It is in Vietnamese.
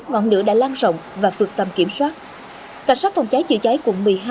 ngọn lửa đã lan rộng và vượt tầm kiểm soát cảnh sát phòng cháy chữa cháy quận một mươi hai